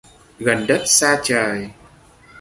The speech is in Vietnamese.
Gần đất xa trời